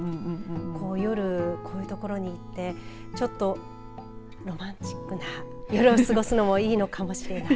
夜こういうところに行ってちょっとロマンチックな夜を過ごすのもいいのかもしれない。